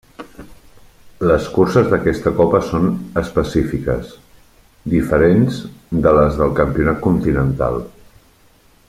Les curses d'aquesta copa són específiques, diferents de les del campionat continental.